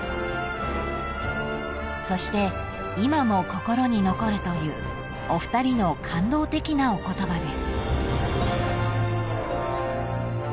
［そして今も心に残るというお二人の感動的なお言葉です］